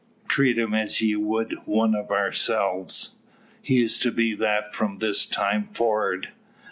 Treat him as ye would one o' ourselves. He's to be that from this time forrard.